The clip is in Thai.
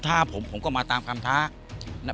ถ้าผมก็มาตามคำถาม